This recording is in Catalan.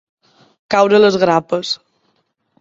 Caure a les grapes.